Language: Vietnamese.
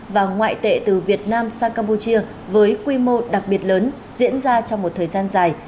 và ngoại tệ từ việt nam sang campuchia với quy mô đặc biệt lớn diễn ra trong một thời gian dài